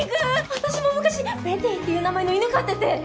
私も昔ＢＥＴＴＹっていう名前の犬飼ってて。